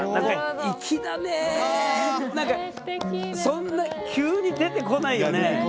そんな急に出てこないよね？